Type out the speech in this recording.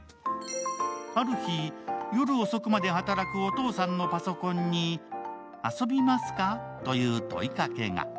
ある日、夜遅くまで働くお父さんのパソコンに、「遊びますか？」という問いかけが。